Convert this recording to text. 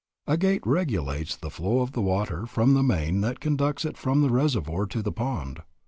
A gate regulates the flow of the water from the main that conducts it from the reservoir to the pond.